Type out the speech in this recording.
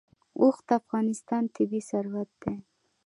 اوښ د افغانستان طبعي ثروت دی.